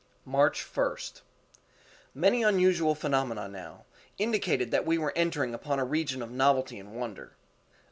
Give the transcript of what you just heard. March 1st. {*7} Many unusual phenomena now—indicated that we were entering upon a region of novelty and wonder.